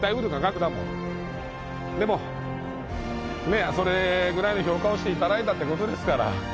でもねそれぐらいの評価をしていただいたってことですから。